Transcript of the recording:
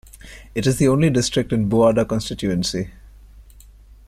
It is the only district in Buada Constituency.